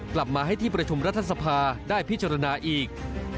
กลับมาให้ที่ประชุมรัฐสภาได้พิจารณาอีก